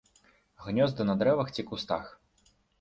Гнёзды на дрэвах ці кустах.